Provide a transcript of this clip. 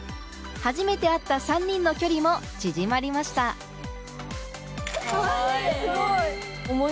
初めて会った３人の距離も縮まりました・かわいい！